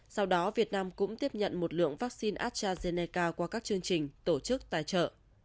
sau đó việt nam cũng tiếp nhận một lượng vaccine astrazeneca qua các chương trình tổ chức tài trợ